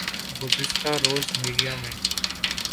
گزشتہ روز میڈیا میں